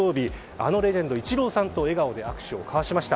あのレジェンド、イチローさんと笑顔で握手を交わしました。